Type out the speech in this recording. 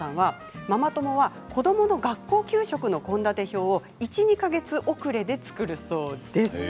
ママ友は子どもの学校給食の献立表を１、２か月遅れで作るそうです。